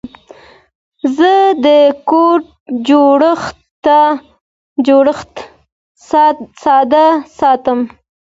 زه د کوډ جوړښت ساده ساتم.